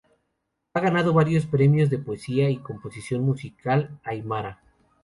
Ha ganado varios premios de poesía y composición musical aimara.